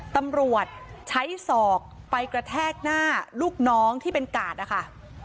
ตำรวจใช้ศอกไปกระแทกหน้าลูกน้องที่เป็นกาดนะคะ